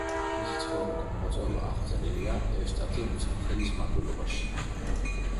მისი ცხოვრება და მოღვაწეობა აღწერილია „ევსტათი მცხეთელის მარტვილობაში“.